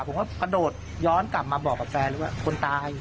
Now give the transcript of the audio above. ผมก็กระโดดย้อนกลับมาบอกกับแฟนเลยว่าคนตาย